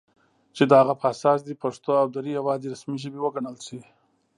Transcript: چې د هغه په اساس دې پښتو او دري یواځې رسمي ژبې وګڼل شي